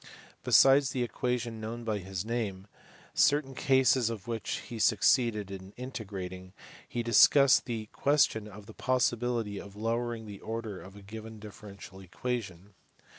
Besides the equation known by his name, certain cases of which he succeeded in integrating, he discussed the question of the possibility of lowering the order of a given differential equation.